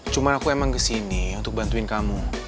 cuma aku emang kesini untuk bantuin kamu